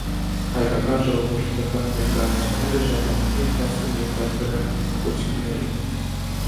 Հայկական ժողովրդական ներկայացումները ժամանակի ընթացքում ենթարկվել են փոփոխությունների։